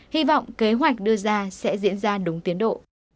hy vọng kế hoạch đưa ra sẽ diễn ra đúng tiến độ